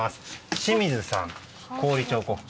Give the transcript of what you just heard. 清水さん、氷彫刻家。